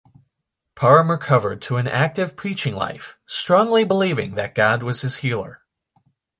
Parham recovered to an active preaching life, strongly believing that God was his healer.